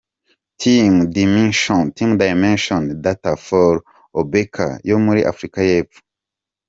Team Dimension Data for Qhubeka yo muri Afurika y’Epfo.